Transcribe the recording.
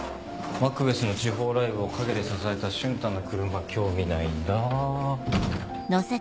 マクベスの地方ライブを陰で支えた瞬太の車興味ないんだ？